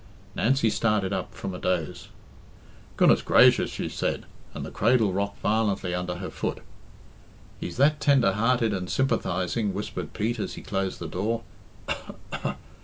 Nancy started up from a doze. "Goodness grazhers!" she cried, and the cradle rocked violently under her foot. "He's that tender hearted and sympathising," whispered Pete as he closed the door.